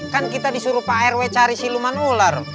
kan kita disuruh pak rw cari siluman ular